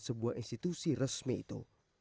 sebuah institusi resmi itu